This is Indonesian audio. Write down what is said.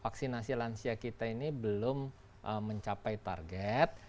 vaksinasi lansia kita ini belum mencapai target